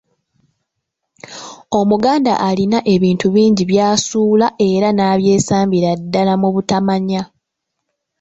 Omuganda alina ebintu bingi byasuula era n’abyesambira ddala mu butamanya.